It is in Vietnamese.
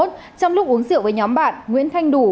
trong lúc uống rượu với nhóm bạn nguyễn thanh đủ